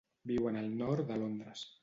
Viuen al nord de Londres.